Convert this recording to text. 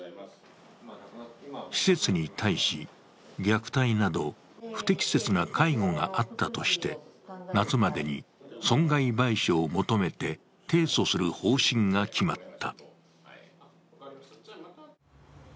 施設に対し、虐待など不適切な介護があったとして、夏までに損害賠償を求めて提訴する方針が決まった。